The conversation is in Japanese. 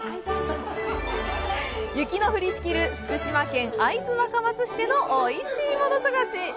雪の降りしきる福島県会津若松市でのおいしいもの探し。